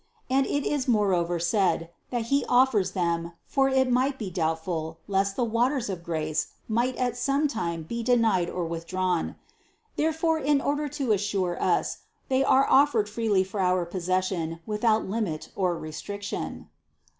And it is moreover said, that He offers them, for it might be doubtful, lest the waters of grace might at some time be denied or withdrawn: therefore in order to assure THE CONCEPTION 213 us, they are offered freely for our possession without limit or restriction.